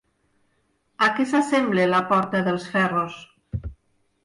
A què s'assembla la Porta dels Ferros?